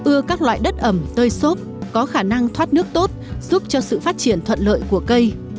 ưa các loại đất ẩm tơi xốp có khả năng thoát nước tốt giúp cho sự phát triển thuận lợi của cây